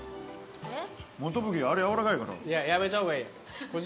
あれやわらかいから。